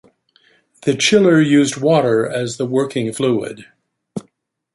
The chiller used water as the working fluid.